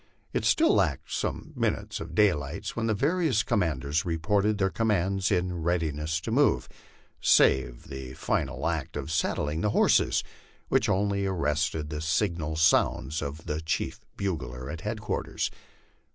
It still lacked some minutes of daylight when the various commanders reported their commands in readi ness to move, save the final act of saddling the horses, which only arrested the signal sounds of the chief bugler at headquarters.